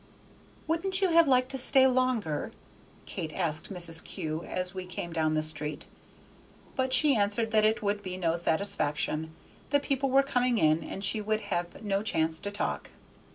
"Wouldn't you have liked to stay longer?" Kate asked Mrs. Kew as we came down the street. But she answered that it would be no satisfaction; the people were coming in, and she would have no chance to talk.